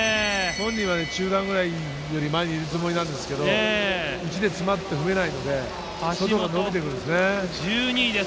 本人は中段より前にいるつもりなんですけど、内で詰まって踏めないので外から伸びてくるんです。